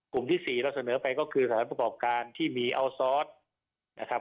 ที่๔เราเสนอไปก็คือสถานประกอบการที่มีอัลซอสนะครับ